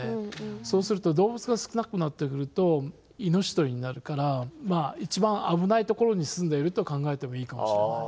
そうすると動物が少なくなってくると命取りになるから一番危ないところにすんでいると考えてもいいかもしれない。